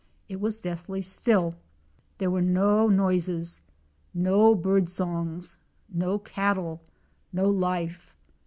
It was deathly still, there were no noises, no bird songs, no cattle, no life.